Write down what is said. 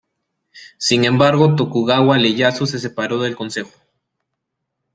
Sin embargo, Tokugawa Ieyasu se separó del Consejo.